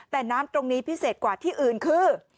แต่น้ำตรงนี้พิเศษกว่าที่อื่นคือ